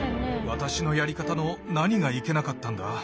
私のやり方の何がいけなかったんだ？